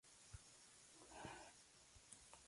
La azotea está rodeada de almenas.